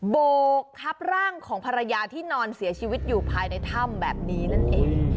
โบกทับร่างของภรรยาที่นอนเสียชีวิตอยู่ภายในถ้ำแบบนี้นั่นเอง